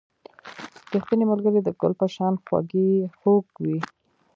• ریښتینی ملګری د ګل په شان خوږ وي.